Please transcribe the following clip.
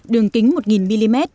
đường kính một mm